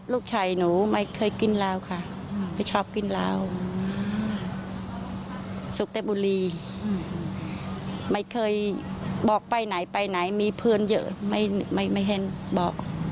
ลูกชายหนูไม่เคยกินลาวค่ะไม่ชอบกินลาวสุกแต่บุรีไม่เคยบอกไปไหนไปไหนมีเพื่อนเยอะไม่เห็นบอก